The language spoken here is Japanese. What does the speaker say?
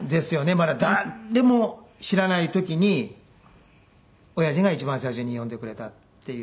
まだ誰も知らない時に親父が一番最初に呼んでくれたっていう。